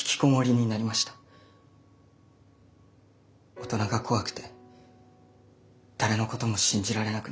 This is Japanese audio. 大人が怖くて誰のことも信じられなくなって。